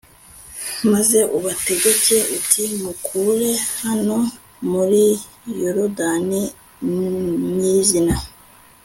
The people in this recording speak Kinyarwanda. maze ubategeke uti 'mukure hano muri yorudani nyirizina